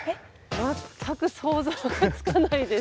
全く想像がつかないです。